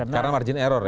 karena margin error ya